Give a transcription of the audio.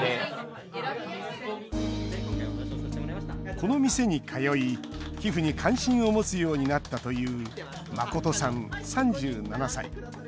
この店に通い、寄付に関心を持つようになったというマコトさん、３７歳。